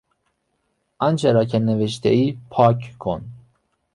آنچه را که نوشتهای پاک کن.